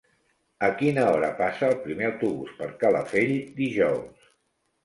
A quina hora passa el primer autobús per Calafell dijous?